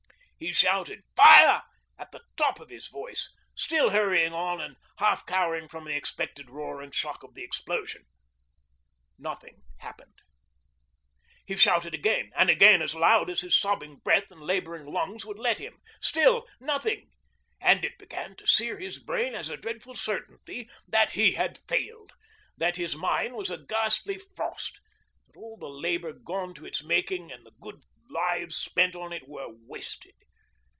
He shouted 'Fire!' at the top of his voice, still hurrying on and half cowering from the expected roar and shock of the explosion. Nothing happened. He shouted again and again as loud as his sobbing breath and labouring lungs would let him. Still nothing; and it began to sear his brain as a dreadful certainty that he had failed, that his mine was a ghastly frost, that all the labour gone to its making and the good lives spent on it were wasted.